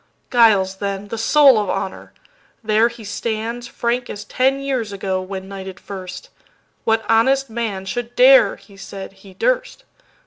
Giles then, the soul of honor—there he standsFrank as ten years ago when knighted first. What honest man should dare (he said) he durst.